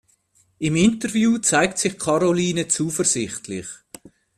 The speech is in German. Im Interview zeigt sich Karoline zuversichtlich.